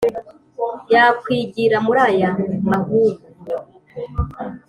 yakwigira muri aya mahugu